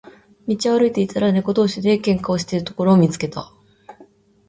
道を歩いていたら、猫同士で喧嘩をしているところを見つけた。